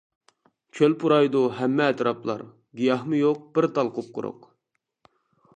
چۆل پۇرايدۇ ھەممە ئەتراپلار، گىياھمۇ يوق بىر تال قۇپقۇرۇق.